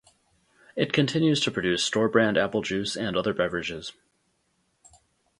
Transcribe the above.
It continues to produce store brand apple juice and other beverages.